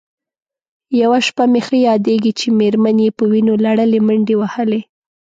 یوه شپه مې ښه یادېږي چې مېرمن یې په وینو لړلې منډې وهلې.